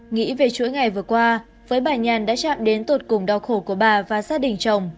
nghĩ về chuỗi ngày vừa qua với bà nhàn đã chạm đến tột cùng đau khổ của bà và gia đình chồng